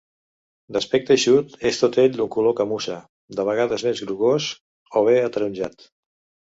D'aspecte eixut, és tot ell d'un color camussa, de vegades més grogós o bé ataronjat.